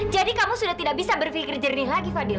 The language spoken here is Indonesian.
jadi kamu sudah tidak bisa berpikir jernih lagi fadil